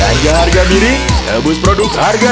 anak anak tinggal dulu ya